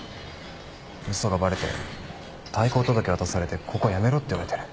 嘘がバレて退校届渡されてここ辞めろって言われてる。